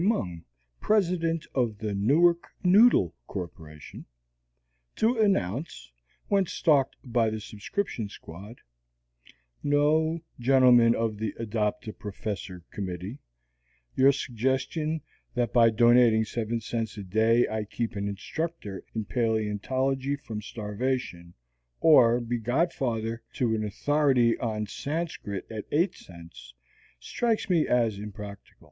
Mung, President of the Newark Noodle Corporation, to announce, when stalked by the subscription squad: "No, gentlemen of the Adopt a Professor Committee, your suggestion that by donating seven cents a day I keep an instructor in paleontology from starvation, or be godfather to an authority on Sanscrit at eight cents, strikes me as impractical.